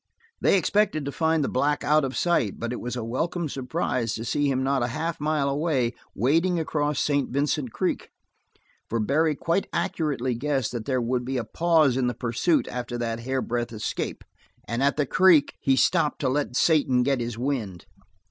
They expected to find the black out of sight, but it was a welcome surprise to see him not half a mile away wading across St. Vincent Creek; for Barry quite accurately guessed that there would be a pause in the pursuit after that hair breadth escape, and at the creek he stopped to let Satan get his wind.